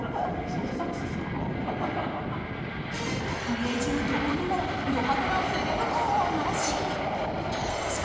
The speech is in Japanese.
家中どこにもド派手なセレブ感はなし。